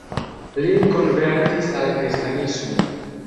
Li konvertis al kristanismo.